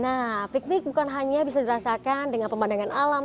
nah piknik bukan hanya bisa dirasakan dengan pemandangan alam